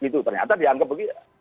ternyata dianggap begitu